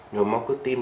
nhồi máu cơ tim